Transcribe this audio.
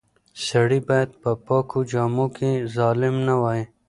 سړی باید په پاکو جامو کې ظالم نه وای.